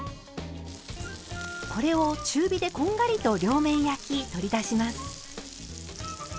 これを中火でこんがりと両面焼き取り出します。